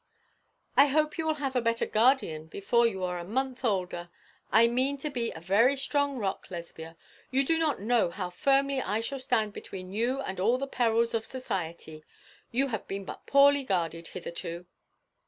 'I hope you will have a better guardian before you are a month older. I mean to be a very strong rock, Lesbia. You do not know how firmly I shall stand between you and all the perils of society. You have been but poorly guarded hitherto.'